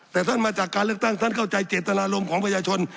แต่ท่านมาจากการเลือกตั้งท่านเข้าใจเจตนารมณ์ของประชาชน